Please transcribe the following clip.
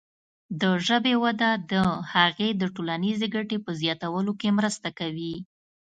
د ژبې وده د هغې د ټولنیزې ګټې په زیاتولو کې مرسته کوي.